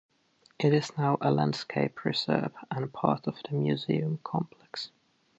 It is now a landscape reserve and part of the museum complex.